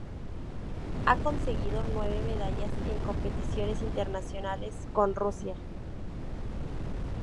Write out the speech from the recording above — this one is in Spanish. Ha conseguido nueve medallas en competiciones internacionales con Rusia.